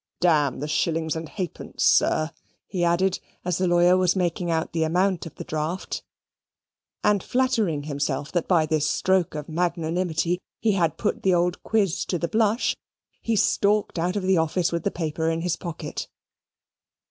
"Damn the shillings and halfpence, sir," he added, as the lawyer was making out the amount of the draft; and, flattering himself that by this stroke of magnanimity he had put the old quiz to the blush, he stalked out of the office with the paper in his pocket.